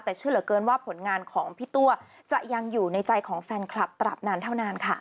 แต่เชื่อเหลือเกินว่าผลงานของพี่ตัวจะยังอยู่ในใจของแฟนคลับตราบนานเท่านานค่ะ